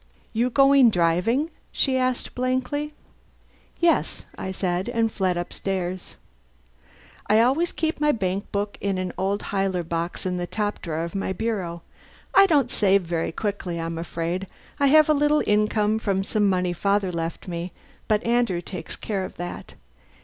"You going driving?" she said blankly. "Yes," I said, and fled upstairs. I always keep my bank book in an old Huyler box in the top drawer of my bureau. I don't save very quickly, I'm afraid. I have a little income from some money father left me, but Andrew takes care of that.